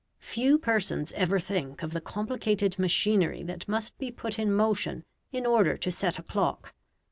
Few persons ever think of the complicated machinery that must be put in motion in order to set a clock.